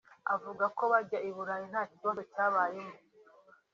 Avuga ko bajya I Burayi nta kibazo cyabayemo